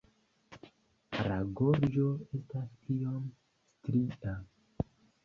La gorĝo estas iom stria.